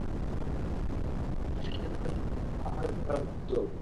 সাত হাজার বছরে এই প্রথম আমাদের মধ্যে কারও মৃত্যু হলো।